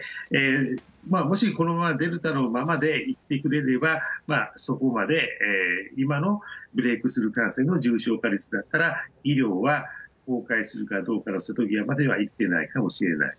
もしこのままデルタのままでいってくれれば、そこまで今のブレークスルー感染の重症化率だったら、医療は崩壊するかどうかの瀬戸際までは行ってないかもしれない。